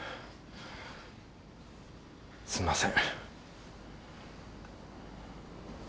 すんません。